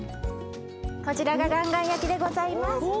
こちらがガンガン焼きでございます。